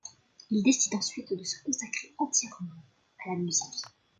Il décide ensuite de se consacrer entièrement à la musique.